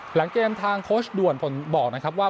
หลังเกมทางโค้ชด่วนบอกนะครับว่า